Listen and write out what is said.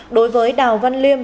đối với đào văn liêm